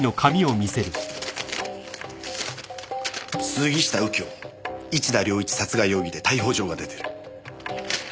杉下右京市田亮一殺害容疑で逮捕状が出てる。